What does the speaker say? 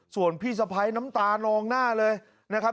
ส่วนพี่สะพ้ายน้ำตานองหน้าเลยนะครับ